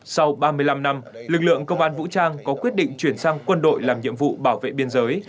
sau ba mươi năm năm lực lượng công an vũ trang có quyết định chuyển sang quân đội làm nhiệm vụ bảo vệ biên giới